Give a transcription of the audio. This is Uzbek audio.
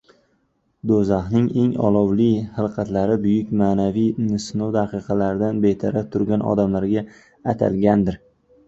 Do‘zaxning eng olovli xilqatlari buyuk ma’naviy sinov daqiqalarida betaraf turgan odamga atalgandir.